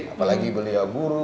apalagi beliau buruk